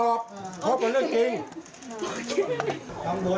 คำนวณเจอยังไหมครับคำนวณเจอเสื้อในแล้วก็